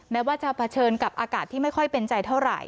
แม้ว่าจะเผชิญกับอากาศที่ไม่ค่อยเป็นใจเท่าไหร่